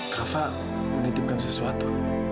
kak fah menitipkan sesuatu